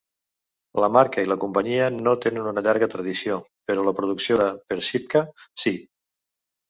La marca i la companyia no tenen una llarga tradició, però la producció de "pertsivka", sí.